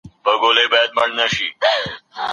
تاسو د تور چای په څښلو بوخت یاست.